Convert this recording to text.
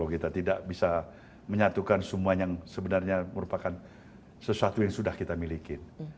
kita tidak bisa menyatukan semua yang sebenarnya merupakan sesuatu yang sudah kita miliki